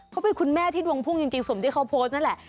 เขาเป็นคุณแม่ที่ดวงพุ่งจริงสมที่เขาโพสต์นั่นแหละ